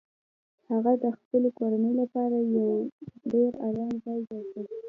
هغه د خپلې کورنۍ لپاره یو ډیر ارام ځای جوړ کړ